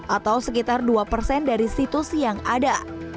atau sekitar dua persen dari situs yang ada